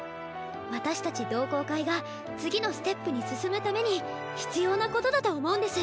私たち同好会が次のステップに進むために必要なことだと思うんです。